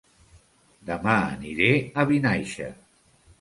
Dema aniré a Vinaixa